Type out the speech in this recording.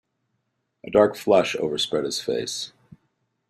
A dark flush overspread his face.